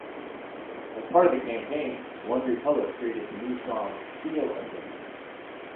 As part of the campaign, OneRepublic created the new song "Feel Again".